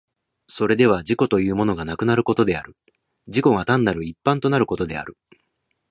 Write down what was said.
それでは自己というものがなくなることである、自己が単なる一般となることである。